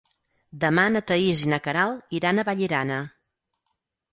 Demà na Thaís i na Queralt iran a Vallirana.